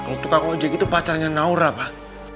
kalau tukang wajah itu pacarnya naura pak